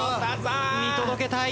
見届けたい。